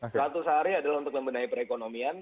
satu seharian adalah untuk membenahi perekonomian